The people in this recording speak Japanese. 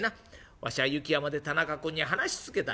わしゃ雪山で田中君に話し続けたんじゃ」。